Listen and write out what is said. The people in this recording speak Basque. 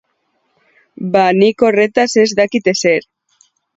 Ba nik horretaz ez dakit ezer.